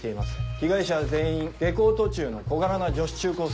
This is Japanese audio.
被害者は全員下校途中の小柄な女子中高生。